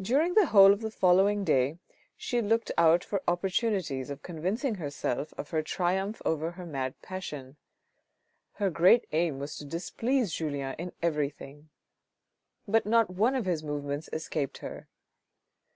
During the whole of the following day she looked out for opportunities of convincing herself of her triumph over her mad passion. Her great aim was to displease Julien in everything ; but not one of his movements escaped her.